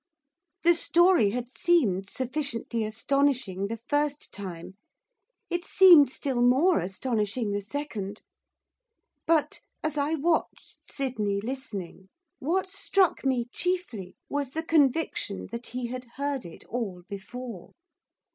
The story had seemed sufficiently astonishing the first time, it seemed still more astonishing the second, but, as I watched Sydney listening, what struck me chiefly was the conviction that he had heard it all before.